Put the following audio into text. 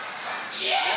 イエーイ！